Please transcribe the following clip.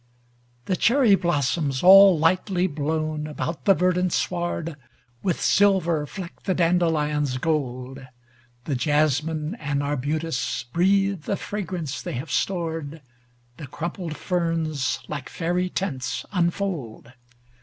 The cherry blooms, all lightly blown about the verdant sward, With silver fleck the dandelion's gold; The jasmine and arbutus breathe the fragrance they have stored; The crumpled ferns, like faery tents, unfold.